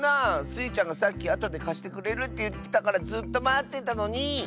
スイちゃんがさっきあとでかしてくれるっていってたからずっとまってたのに！